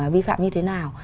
vi phạm như thế nào